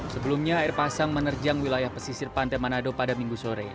sebelumnya air pasang menerjang wilayah pesisir pantai manado pada minggu sore